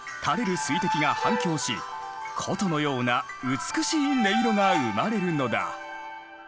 水滴が反響し琴のような美しい音色が生まれるのだ。